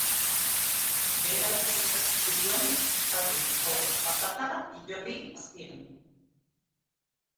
Berehala ezkutatzen zituen, zaku, zabor, patata, hilobi... azpian.